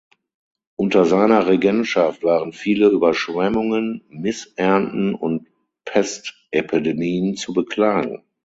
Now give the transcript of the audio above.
Unter seiner Regentschaft waren viele Überschwemmungen, Missernten und Pestepidemien zu beklagen.